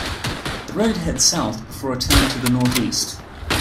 The road heads south before a turn to the northeast.